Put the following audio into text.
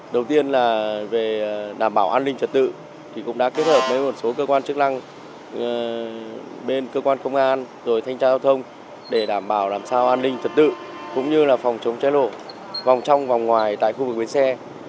đầu tiên là về đảm bảo an ninh trật tự thì cũng đã kết hợp với một số cơ quan chức năng bên cơ quan công an rồi thanh tra giao thông để đảm bảo làm sao an ninh trật tự cũng như là phòng chống cháy nổ vòng trong vòng ngoài tại khu vực bến xe